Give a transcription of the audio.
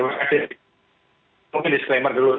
mungkin disclaimer dulu